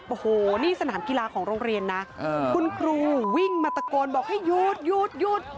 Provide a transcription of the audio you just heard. โอ้โหนี่สนามกีฬาของโรงเรียนนะคุณครูวิ่งมาตะโกนบอกให้หยุดหยุด